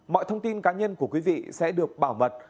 mọi thông tin cá nhân của quý vị sẽ được bảo mật